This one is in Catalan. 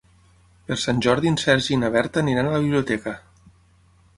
Per Sant Jordi en Sergi i na Berta aniran a la biblioteca.